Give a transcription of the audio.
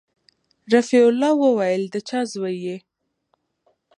رفيع الله وويل د چا زوى يې.